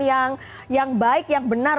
yang baik yang benar